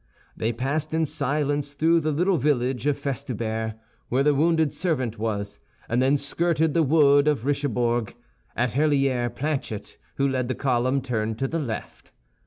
They passed in silence through the little village of Festubert, where the wounded servant was, and then skirted the wood of Richebourg. At Herlier, Planchet, who led the column, turned to the left.